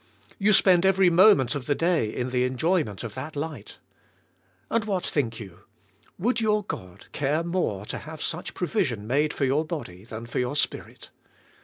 You spend every moment of the day in the enjoyment of that light. And what think you? Would your God care more to have such provision made for your body than for your spirit.